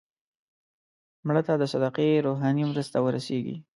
مړه ته د صدقې روحاني مرسته ورسېږي